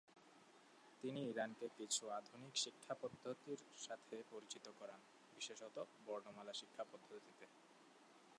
তিনি ইরানকে কিছু আধুনিক শিক্ষা পদ্ধতির সাথে পরিচিত করান, বিশেষত বর্ণমালা শিক্ষা পদ্ধতিতে।